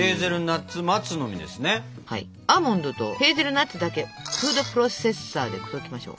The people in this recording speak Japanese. アーモンドとヘーゼルナッツだけフードプロセッサーで砕きましょう。